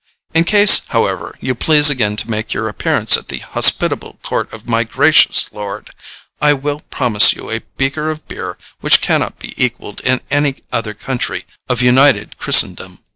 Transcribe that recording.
In case, however, you please again to make your appearance at the hospitable court of my gracious lord, I will promise you a beaker of beer which cannot be equalled in any other country of united Christendom.